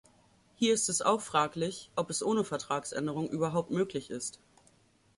Hier ist es auch fraglich, ob es ohne Vertragsänderung überhaupt möglich ist.